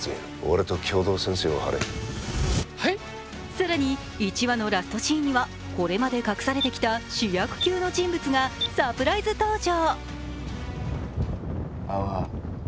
更に、１話のラストシーンにはこれまで隠されてきた主役級の人物がサプライズ登場。